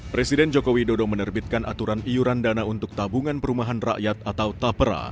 presiden joko widodo menerbitkan aturan iuran dana untuk tabungan perumahan rakyat atau tapera